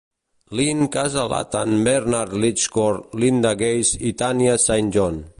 Lynn Casa Latham, Bernard Lechowick, Linda Gase i Thania Saint John.